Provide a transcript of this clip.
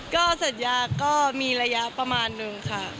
ก็สัญญาก็มีระยะประมาณนึงค่ะ